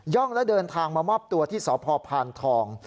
ย่องแล้วเดินทางมามอบตัวที่สพทอง